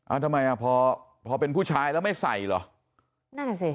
ทำไมอ่ะพอพอเป็นผู้ชายแล้วไม่ใส่เหรอนั่นอ่ะสิ